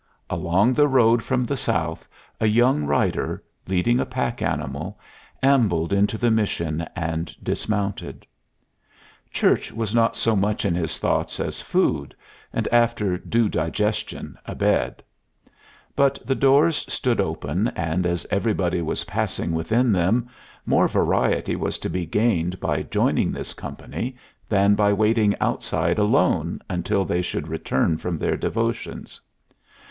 Along the road from the south a young rider, leading a pack animal, ambled into the mission and dismounted. Church was not so much in his thoughts as food and, after due digestion, a bed; but the doors stood open, and, as everybody was passing within them, more variety was to be gained by joining this company than by waiting outside alone until they should return from their devotions.